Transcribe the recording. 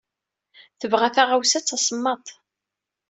Tebɣa taɣawsa d tasemmaḍt.